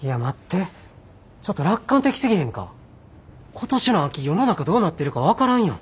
今年の秋世の中どうなってるか分からんやん。